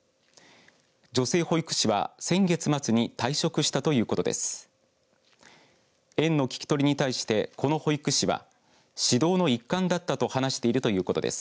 女性保育士は先月末に退職したということです。